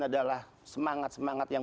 adalah semangat semangat yang